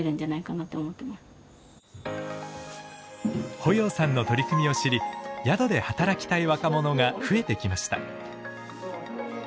保要さんの取り組みを知り宿で働きたい若者が増えてきました。